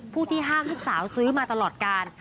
ผู้ที่ห้ามลูกสาวซื้อมาตลอดการ